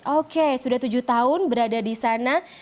oke sudah tujuh tahun berada di sana